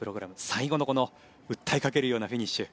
最後のこの訴えかけるようなフィニッシュ。